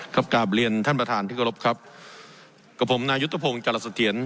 กราบเรียนท่านประธานที่กรบครับกับผมนายุทธพงศ์จรัสเถียร